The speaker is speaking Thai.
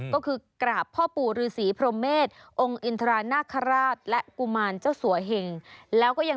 ก็คือกรอบพ่อปู่ฤษีพระเมฆ